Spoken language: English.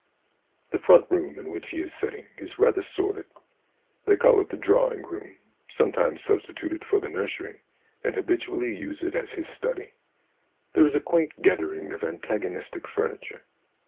The front room in which he is sitting is rather sordid. They call it the drawing room, sometimes substitute it for the nursery, and habitually use it as his study. There is a quaint gathering of antagonistic furniture.